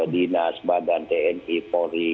dinas badan tni polri